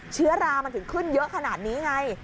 เชื้อรามันถึงขึ้นเยอะขนาดนี้ไง